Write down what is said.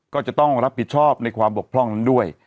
ก็จะต้องรับผิดชอบในความบกพร่องนั้นด้วย